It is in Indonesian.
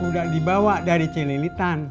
udah dibawa dari celilitan